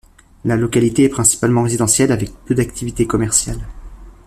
La localité est principalement résidentielle, avec peu d'activité commerciale.